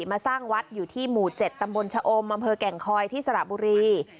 มาสร้างวัดอยู่ที่หมู่๗ตำบลชะอมอำเภอแก่งคอยที่สระบุรี